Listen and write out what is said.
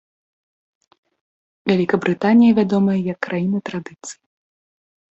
Вялікабрытанія вядомая як краіна традыцый.